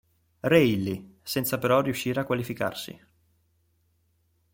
Reilly", senza però riuscire a qualificarsi.